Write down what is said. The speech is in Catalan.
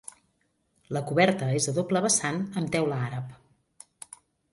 La coberta és a doble vessant amb teula àrab.